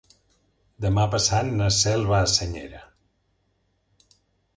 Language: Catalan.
Demà passat na Cel va a Senyera.